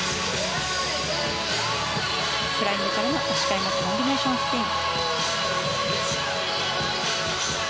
フライングからの足換えのコンビネーションスピン。